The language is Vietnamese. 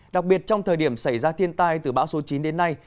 đặc biệt trong thời điểm xảy ra thiên tai từ bão số chín đến nay